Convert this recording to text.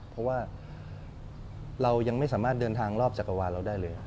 เพราะว่าเรายังไม่สามารถเดินทางรอบจักรวาลเราได้เลย